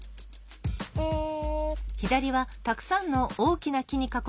うん。